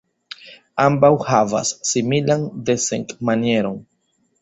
Ambaŭ havas similan desegn-manieron.